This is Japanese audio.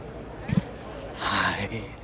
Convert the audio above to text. はい。